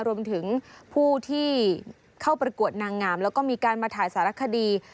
รวมถึงผู้ที่เข้าประกวดนางงามแล้วก็มีการมาถ่ายสารคดี